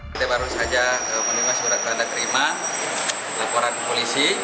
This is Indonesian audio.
kita baru saja menerima surat tanda terima laporan polisi